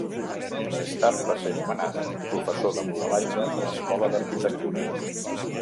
Més tard va ser nomenat Professor de Modelatge a l'Escola d'Arquitectura.